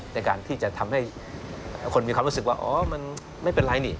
ในการที่จะทำให้คนมีความรู้สึกว่าอ๋อมันไม่เป็นไรนี่